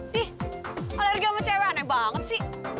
tih alergi sama cewek aneh banget sih